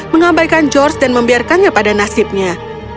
mengabaikan george dan membiarkannya pada nasibnya